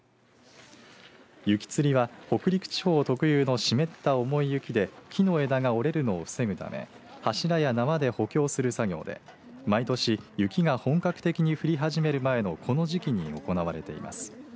雪つりは北陸地方特有の湿った重い雪で木の枝が折れるのを防ぐため柱や縄で補強する作業で毎年雪が本格的に降り始める前のこの時期に行われています。